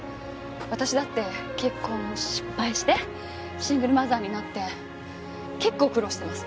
私だって結婚失敗してシングルマザーになって結構苦労してます。